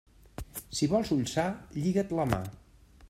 Si vols ull sa, lliga't la mà.